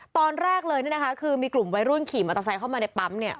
ตอนแรกเลยเนี่ยนะคะคือมีกลุ่มวัยรุ่นขี่มอเตอร์ไซค์เข้ามาในปั๊มเนี่ย